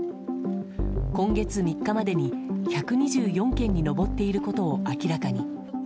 今月３日までに１２４件に上っていることを明らかに。